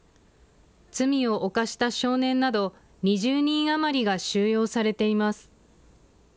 罪を犯した少年など２０人余りが収容されています。